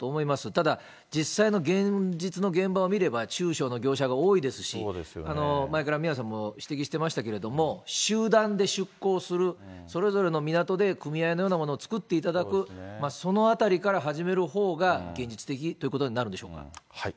ただ、実際の現実の現場を見れば中小の業者が多いですし、前から宮根さんも指摘してましたけれども、集団で出航する、それぞれの港で組合のようなものを作っていただく、そのあたりから始めるほうが現実的ということになるんでしょうか。